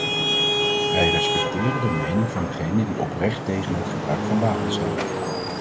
Wij respecteren de mening van degenen die oprecht tegen het gebruik van wapens zijn.